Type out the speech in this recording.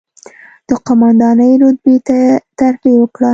د قوماندانۍ رتبې ته ترفېع وکړه،